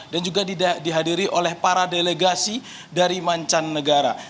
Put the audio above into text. dan juga dihadiri oleh para delegasi dari mancan negara